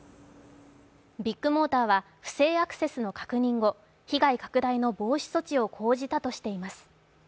ビッグモーターは不正アクセスの確認後、被害拡大の防止措置を講じたとしています。